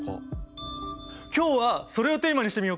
今日はそれをテーマにしてみようか。